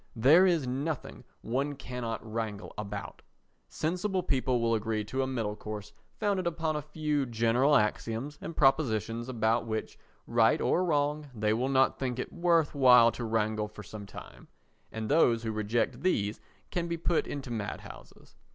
There is nothing one cannot wrangle about. Sensible people will agree to a middle course founded upon a few general axioms and propositions about which, right or wrong, they will not think it worth while to wrangle for some time, and those who reject these can be put into mad houses.